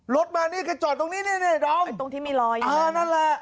รถมานี่แกจอดตรงนี้นี่นี่นี่รองตรงที่มีรอยเออนั่นแหละ